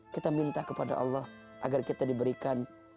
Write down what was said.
kita minta kepada allah agar kita diberikan